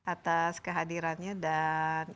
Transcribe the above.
atas kehadirannya dan